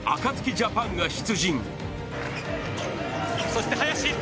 ジャパンが出陣。